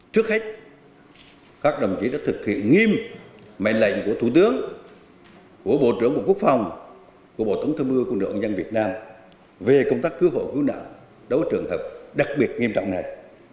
trước hết các đồng chí đã thực hiện nghiêm mệnh lệnh của thủ tướng của bộ trưởng bộ quốc phòng của bộ tổng thư mưa của nội dân việt nam về công tác cứu hộ cứu nạn đó là trường hợp đặc biệt nghiêm trọng này